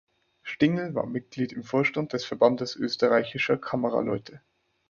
Stingl war Mitglied im Vorstand des Verbandes österreichischer Kameraleute.